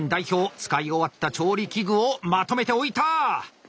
使い終わった調理器具をまとめて置いた！